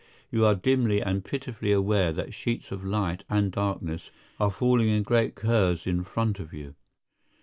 You are dimly and pitifully aware that sheets of light and darkness are falling in great curves in front of you.